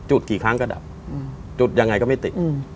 จุดกี่ครั้งก็ดับจุดยังไงก็ไม่ติด